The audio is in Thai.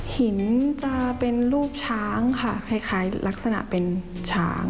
หินจะเป็นรูปช้างค่ะคล้ายลักษณะเป็นช้าง